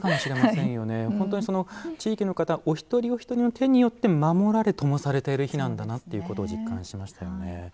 本当に地域の方お一人お一人の手によって守られ、ともされている火なんだなということを実感しましたよね。